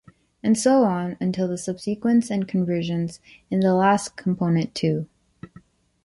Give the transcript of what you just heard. And so on, until the subsequence n converges in the last component too.